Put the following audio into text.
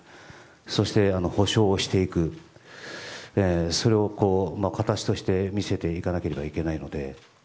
そして、補償をしていくそれを形として見せていかなければいけないので。